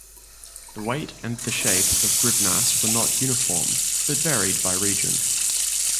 The weight and the shape of grivnas were not uniform, but varied by region.